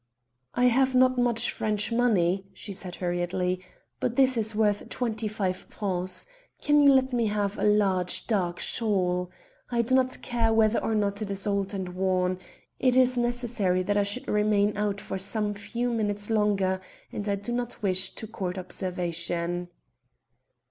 "I have not much French money," she said hurriedly, "but this is worth twenty five francs. Can you let me have a large dark shawl? I do not care whether or not it is old or worn. It is necessary that I should remain out for some few minutes longer, and I do not wish to court observation."